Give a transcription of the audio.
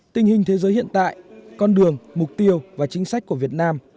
tình hình thế giới hiện tại con đường mục tiêu và chính sách của việt nam